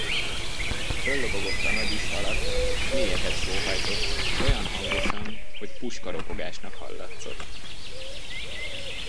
Föllobogott a nagy üst alatt, s mélyeket sóhajtott, olyan hangosan, hogy puskaropogásnak hallatszott.